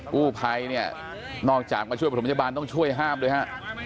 กู้ภัยเนี่ยนอกจากมาช่วยประถมพยาบาลต้องช่วยห้ามด้วยฮะ